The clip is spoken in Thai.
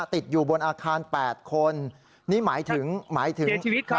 ติดอยู่บนอาคารแปดคนนี่หมายถึงหมายถึงเสียชีวิตครับ